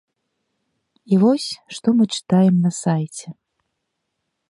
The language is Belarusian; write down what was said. І вось, што мы чытаем на сайце.